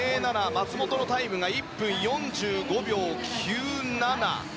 松元のタイムが１分４５秒９７。